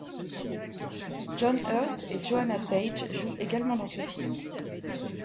John Hurt et Joanna Page jouent également dans ce film.